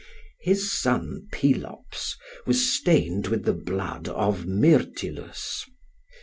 His son Pelops was stained with the blood of Myrtilus.